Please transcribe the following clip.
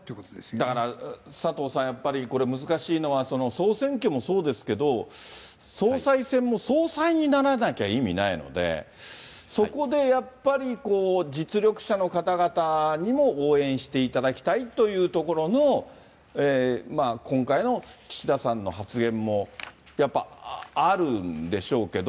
だから、佐藤さん、やっぱり、これ、難しいのは、総選挙もそうですけど、総裁選も総裁にならなきゃ意味ないので、そこでやっぱり、実力者の方々にも応援していただきたいというところの今回の岸田さんの発言もやっぱりあるんでしょうけど。